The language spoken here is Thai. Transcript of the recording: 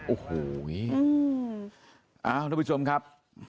โอ้โหอ้าวท่านผู้ชมครับ